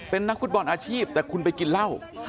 เป็นนักฟุตบอลอาชีพแต่คุณไปกินเหล้า